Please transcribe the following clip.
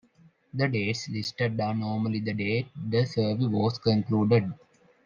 The dates listed are normally the date the survey was concluded.